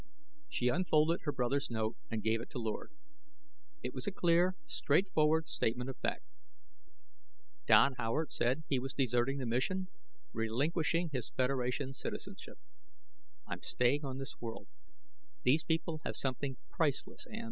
She unfolded her brother's note and gave it to Lord. It was a clear, straight forward statement of fact. Don Howard said he was deserting the mission, relinquishing his Federation citizenship. "I'm staying on this world; these people have something priceless, Ann.